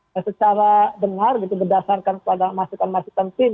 dan secara dengar gitu berdasarkan pada masukan masukan tim